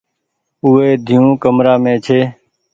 اوئي ۮييون ڪمرآ مين ڇي۔